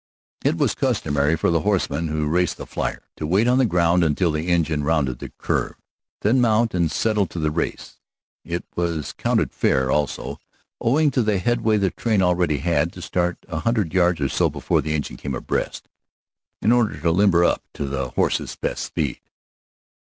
It was customary for the horsemen who raced the flier to wait on the ground until the engine rounded the curve, then mount and settle to the race. It was counted fair, also, owing to the headway the train already had, to start a hundred yards or so before the engine came abreast, in order to limber up to the horses' best speed.